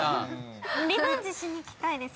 リベンジしに来たいです